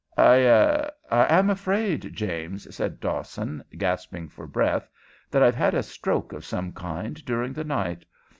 "I ah I am afraid, James," said Dawson, gasping for breath, "that I've had a stroke of some kind during the night.